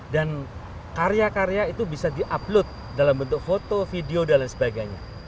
dan karya karya itu bisa di upload dalam bentuk foto video dan lain sebagainya